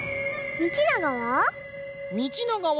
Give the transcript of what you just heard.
みちながは？